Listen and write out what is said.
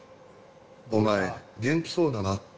お前、元気そうだな。